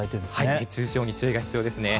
熱中症に注意が必要ですね。